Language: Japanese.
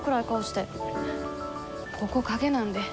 ここ、陰なんで。